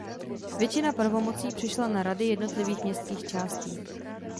Většina pravomocí přešla na rady jednotlivých městských částí.